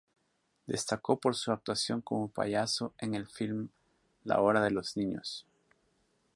Destacó por su actuación como payaso en el filme "La hora de los niños".